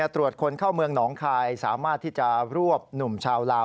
ตรวจคนเข้าเมืองหนองคายสามารถที่จะรวบหนุ่มชาวลาว